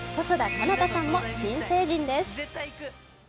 細田佳央太さんも新成人です。